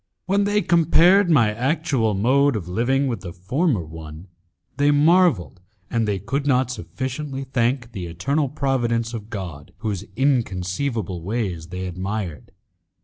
When they compared my actual mode of living with the former one, they marvelled, and they could not sufficiently thank the eternal providence of God whose inconceivable ways they admired.